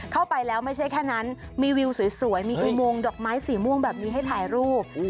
เข้าไปแล้วไม่ใช่แค่นั้นมีวิวสวยมีอุโมงดอกไม้สีม่วงแบบนี้ให้ถ่ายรูป